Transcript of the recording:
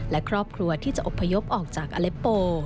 และครอบครัวที่จะอบพยพออกจากอเล็ปโป